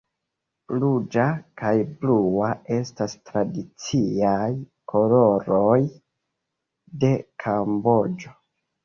Ruĝa kaj blua estas tradiciaj koloroj de Kamboĝo.